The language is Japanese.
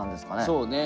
そうね。